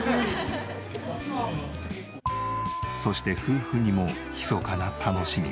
そして夫婦にもひそかな楽しみが。